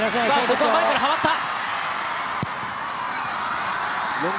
ここは前からはまった。